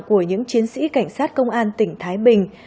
của những chiến sĩ cảnh sát công an tỉnh thái bình